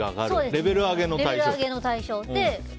レベル上げの対象でね。